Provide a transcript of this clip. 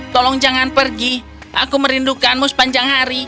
tolong jangan pergi aku merindukanmu sepanjang hari